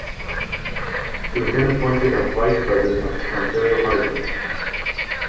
She was then appointed a vice-president of Ontario Hydro.